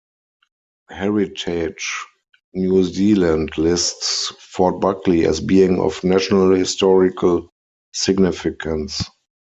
Heritage New Zealand lists Fort Buckley as being of national historical significance.